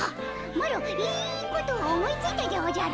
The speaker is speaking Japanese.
マロいいことを思いついたでおじゃる。